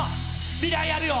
未来あるよ！